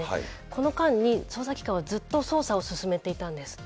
この間に捜査機関はずっと捜査を進めていたんです。